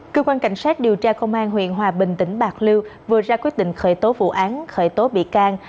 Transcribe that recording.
cơ quan cảnh sát điều tra công an huyện hòa bình tỉnh bạc liêu vừa ra quyết định khởi tố vụ án khởi tố bị can